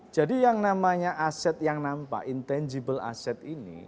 jadi yang namanya aset yang nampak intangible asset ini